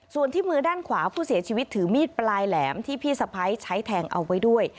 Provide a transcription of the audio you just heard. ส่วนที่มือด้านขวาผู้เสียชีวิตถือมีดปลายแหลมที่พี่สะพ้ายใช้แทงเอาไว้ด้วย